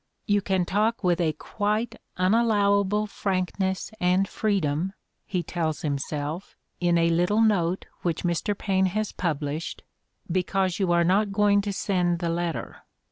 "You can talk with a quite unallow able frankness and freedom," he tells himself, in a little note which Mr. Paine has published, "because you are not going to send the letter.